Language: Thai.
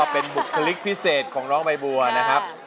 เป็นบุคลิกพิเศษของน้องใบบัวนะครับ